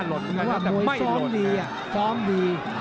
หมวดมวยซ้อมดี